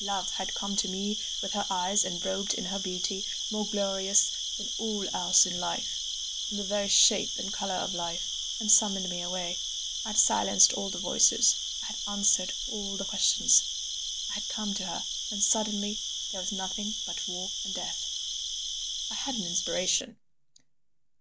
Love had come to me with her eyes and robed in her beauty, more glorious than all else in life, in the very shape and colour of life, and summoned me away. I had silenced all the voices, I had answered all the questions—I had come to her. And suddenly there was nothing but War and Death!" I had an inspiration.